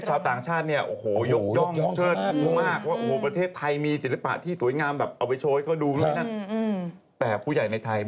อย่างว่ามันมีสมมุมจริงเขาบอกว่า